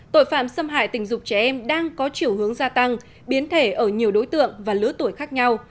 tội phạm xâm hại tình dục trẻ em đang có chiều hướng gia tăng biến thể ở nhiều đối tượng và lứa tuổi khác nhau